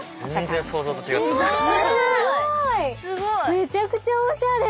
めちゃくちゃおしゃれ！